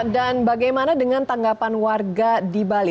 bagaimana dengan tanggapan warga di bali